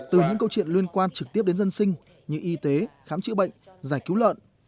từ những câu chuyện liên quan trực tiếp đến dân sinh như y tế khám chữa bệnh giải cứu lợn